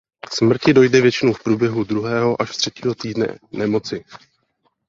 K smrti dojde většinou v průběhu druhého až třetího týdne nemoci.